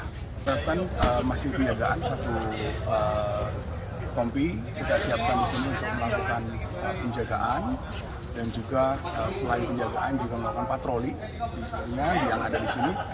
kita akan masih penjagaan satu kompi kita siapkan disini untuk melakukan penjagaan dan juga selain penjagaan juga melakukan patroli yang ada disini